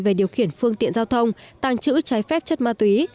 về điều khiển phương tiện giao thông tàng trữ trái phép chất ma túy